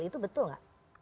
itu betul gak